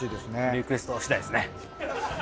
リクエスト次第ですね。